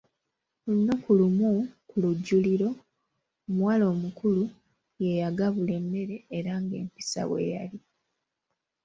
Olunaku lumu ku lujjuliro, omuwala omukulu ye yagabula emmere era nga empisa bwe yali.